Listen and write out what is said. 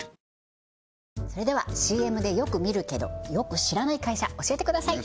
それではＣＭでよく見るけどよく知らない会社教えてください